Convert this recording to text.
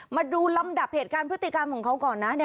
มาดูลำดับเหตุการณ์พฤติกรรมของเขาก่อนนะ